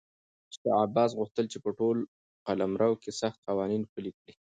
شاه عباس غوښتل چې په ټول قلمرو کې سخت قوانین پلي کړي.